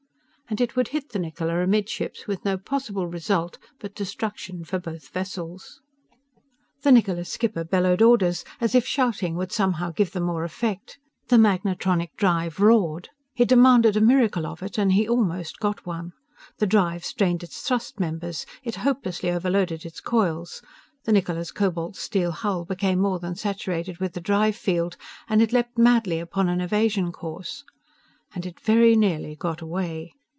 And it would hit the Niccola amidships with no possible result but destruction for both vessels. The Niccola's skipper bellowed orders, as if shouting would somehow give them more effect. The magnetronic drive roared. He'd demanded a miracle of it, and he almost got one. The drive strained its thrust members. It hopelessly overloaded its coils. The Niccola's cobalt steel hull became more than saturated with the drive field, and it leaped madly upon an evasion course And it very nearly got away.